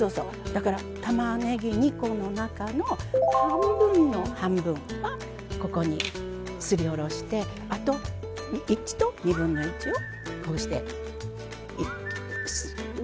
だからたまねぎ２コの中の半分の半分はここにすりおろしてあと１と２分の１をこうして薄く切ってあるのね。